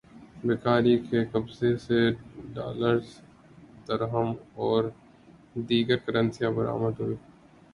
بھکاری کے قبضے سے ڈالرز، درہم اور دیگر کرنسیاں برآمد ہوئیں